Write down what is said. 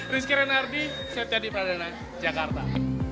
rizky renardi setia di peradana jakarta